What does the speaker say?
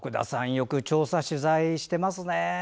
よく調査、取材していますね。